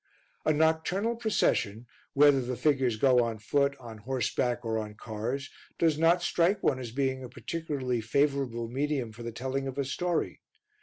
A nocturnal procession, whether the figures go on foot, on horseback, or on cars, does not strike one as being a particularly favourable medium for the telling of a story.